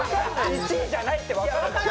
１位じゃないってわかるもん。